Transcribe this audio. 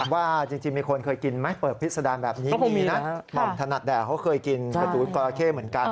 ว่าจริงมีคนเคยกินไหมเปิดพิษดารแบบนี้มีนะหม่อมถนัดแดกเขาเคยกินสตูดจราเข้เหมือนกัน